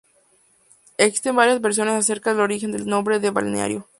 Existen varias versiones acerca del origen del nombre del balneario.